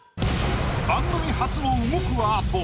番組初の動くアート。